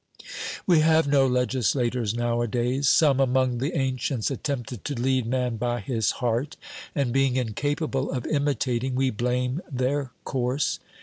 We have no legislators nowadays. Some among the ancients attempted to lead man by his heart, and, being incapable of imitating, we blame their course.